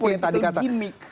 itu yang rawanya politik gimik